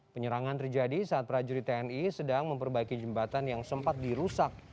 penyerangan terjadi saat prajurit tni sedang memperbaiki jembatan yang sempat dirusak